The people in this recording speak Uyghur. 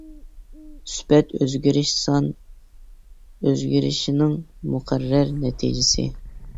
سۈپەت ئۆزگىرىش سان ئۆزگىرىشنىڭ مۇقەررەر نەتىجىسى.